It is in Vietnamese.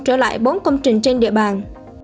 trở lại bốn công trình trên địa bàn